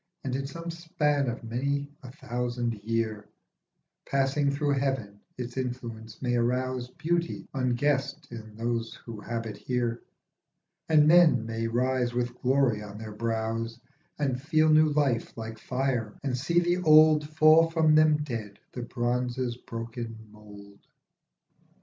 And, in some span of many a thousand year, Passing through heaven its influence may arouse Beauty unguessed in those who habit here, And men may rise with glory on their brows And feel new life like fire, and see the old Fall from them dead, the bronze's broken mould.